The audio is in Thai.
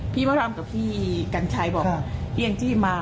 พี่มดดำกับพี่กันชายแล้วพี่หยั่งจิ้มมา